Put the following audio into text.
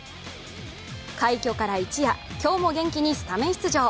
快挙から一夜、今日も元気にスタメン出場。